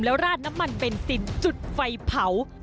แล้วราดน้ำมันเบนซินจุดไฟเผา